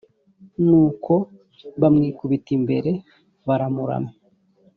nuko bamwikubita imbere baramuramya